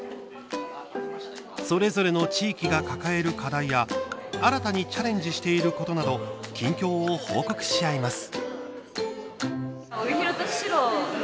それぞれの地域が抱える課題や新たにチャレンジしていることなど近況を報告し合います